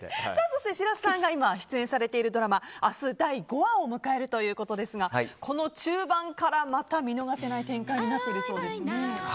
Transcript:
そして白洲さんが今出演されているドラマ明日、第５話を迎えるということですがこの中盤から、また見逃せない展開になっているそうですね。